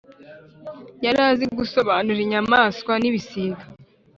yari azi gusobanura inyamaswa n ‘ibisiga.